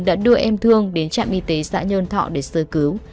đã đưa em thương đến trạm y tế xã nhơn thọ để sơ cứu